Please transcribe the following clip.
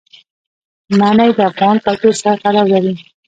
منی د افغان کلتور سره تړاو لري.